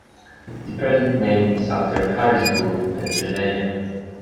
The present name is after Harrisburg, Pennsylvania.